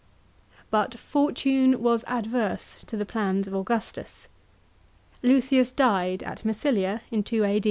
But fortune was adverse to the plans of Augustus. Lucius died at Massilia in 2 A.